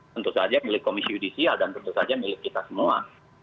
tentu saja milik komisi judisial dan tentu saja milik kita semua